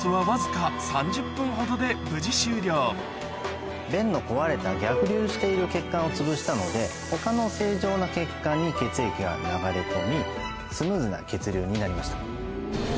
無事終了弁の壊れた逆流している血管をつぶしたので他の正常な血管に血液が流れ込みスムーズな血流になりました。